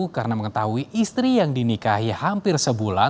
karena mengetahui istri yang dinikahi hampir sebulan